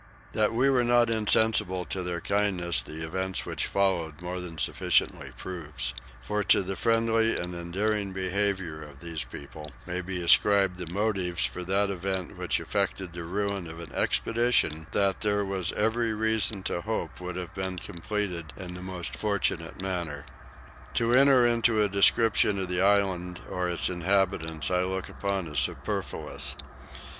That we were not insensible to their kindness the events which followed more than sufficiently proves: for to the friendly and endearing behaviour of these people may be ascribed the motives for that event which effected the ruin of an expedition that there was every reason to hope would have been completed in the most fortunate manner. To enter into a description of the island or its inhabitants I look upon as superfluous.